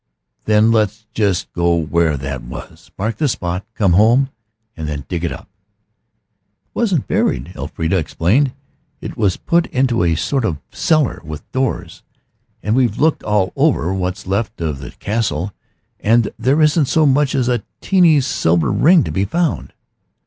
"Then let's just go where that was mark the spot, come home and then dig it up." "It wasn't buried," Elfrida explained; "it was put into a sort of cellar, with doors, and we've looked all over what's left of the Castle, and there isn't so much as a teeny silver ring to be found."